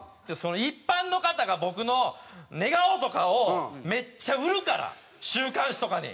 一般の方が僕の寝顔とかをめっちゃ売るから週刊誌とかに。